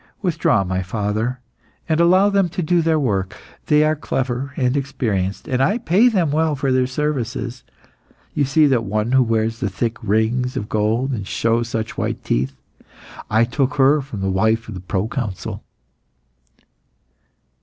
Withdraw, my father, and allow them to do their work. They are clever and experienced, and I pay them well for their services. You see that one who wears thick rings of gold, and shows such white teeth. I took her from the wife of the pro consul."